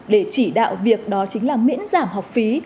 để chỉ đạo việc đó chính là miễn giảm học phí